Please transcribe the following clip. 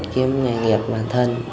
kiếm người nghiệp bản thân